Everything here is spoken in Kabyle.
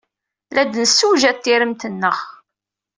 La d-nessewjad tiremt-nneɣ.